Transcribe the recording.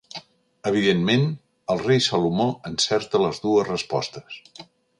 Evidentment, el rei Salomó encerta les dues respostes.